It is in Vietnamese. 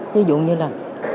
ví dụ như là